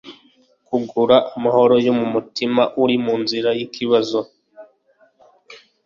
kugura amahoro yo mumutima, uri munzira yikibazo